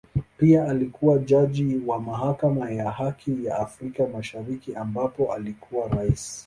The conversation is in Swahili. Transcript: Pia alikua jaji wa Mahakama ya Haki ya Afrika Mashariki ambapo alikuwa Rais.